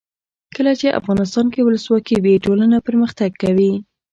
کله چې افغانستان کې ولسواکي وي ټولنه پرمختګ کوي.